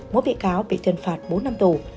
mỗi bị cáo bị tuyên phạt bốn năm tù